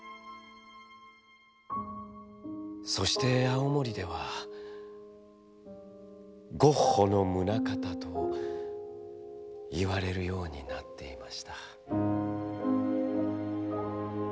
「そして青森では『ゴッホのムナカタ』といわれるようになっていました」。